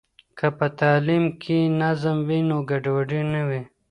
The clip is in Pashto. که په تعلیم کې نظم وي، نو ګډوډي نه وي.